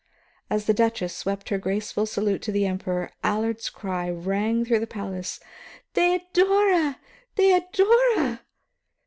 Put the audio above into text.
As the Duchess swept her graceful salute to the Emperor, Allard's cry rang through the place: "Theodora! Theodora!"